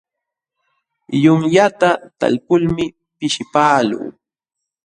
Yunyata talpulmi pishipaqluu.